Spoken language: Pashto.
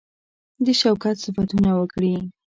د شوکت صفتونه وکړي.